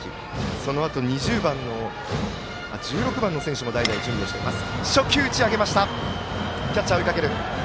そのあと１６番の選手も代打で準備しています。